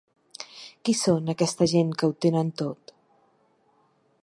Qui són aquesta gent que ho tenen tot?